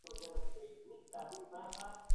هغه تيوري چي په عمل کي پلي نسي هيڅ ارزښت نه لري.